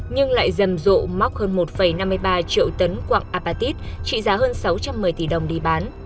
nhưng lại dầm rộ mắc hơn một năm mươi ba triệu tấn quặng apatit trị giá hơn sáu trăm một mươi tỷ đồng đi bán